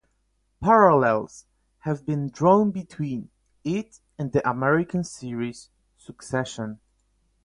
Parallels have been drawn between it and the American series "Succession".